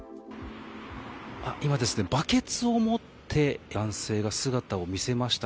今、バケツを持って男性が姿を見せました。